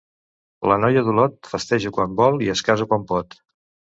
La noia d'Olot festeja quan vol i es casa quan pot.